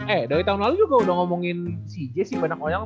eh dari tahun lalu juga udah ngomongin si j sih banyak oyang